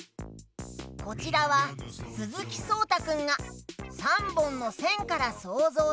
こちらはすずきそうたくんが「３ぼんのせん」からそうぞうしたえ。